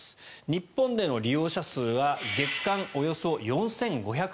日本での利用者数は月間およそ４５００万人。